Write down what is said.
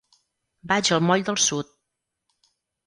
Vaig al moll del Sud.